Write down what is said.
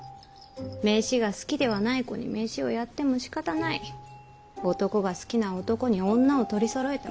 飯が好きではない子に飯をやってもしかたない男が好きな男に女を取りそろえてもしかたがない。